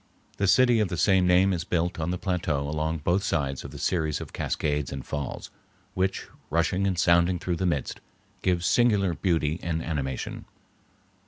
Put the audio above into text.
The city of the same name is built on the plateau along both sides of the series of cascades and falls, which, rushing and sounding through the midst, give singular beauty and animation.